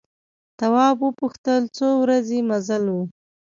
تواب وپوښتل څو ورځې مزل و.